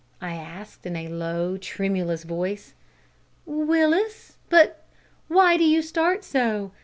I asked, in a low, tremulous voice. "Willis but why do you start so?